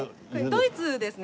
ドイツですね。